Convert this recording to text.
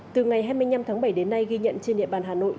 từ ngày hai mươi năm tháng bảy đến nay ghi nhận trên địa bàn hà nội